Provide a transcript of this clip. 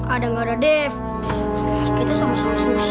ada nggak ada dev kita sama sama selusah